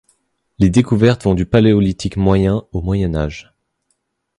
Les découvertes vont du Paléolithique moyen au Moyen Âge.